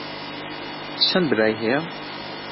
چەند برای هەیە؟